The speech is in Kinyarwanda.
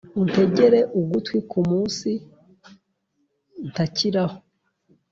untegere ugtwi kumunsi ntakiraho